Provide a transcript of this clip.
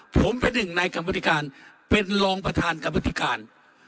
ผมเป็นหนึ่งในกรรมธิการเป็นรองประธานกรรมธิการ